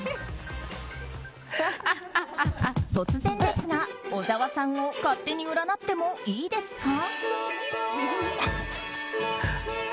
突然ですが、小沢さんを勝手に占ってもいいですか？